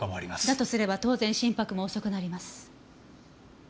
だとすれば当然心拍も遅くなります。